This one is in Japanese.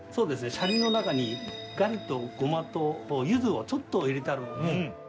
シャリの中にガリと胡麻と柚子をちょっと入れてあるんです。